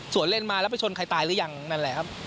ส่วนเล่นมาแล้วไปชนใครตายหรือยังนั่นแหละครับ